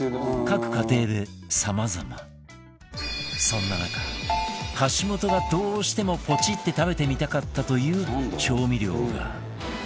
そんな中橋本がどうしてもポチって食べてみたかったという調味料が